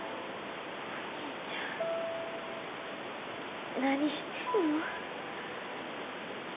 お兄ちゃん何してんの。